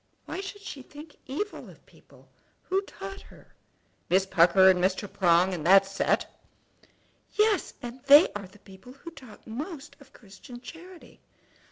"Why should she think evil of people? Who taught her?" "Miss Pucker, and Mr. Prong, and that set." "Yes; and they are the people who talk most of Christian charity!"